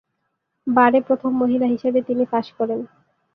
বারে প্রথম মহিলা হিসেবে তিনি পাস করেন।